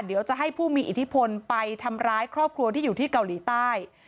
เดี๋ยวจะให้ผู้มีอิทธิพลไปทำร้ายครอบครัวที่อยู่ที่เกาหลีใต้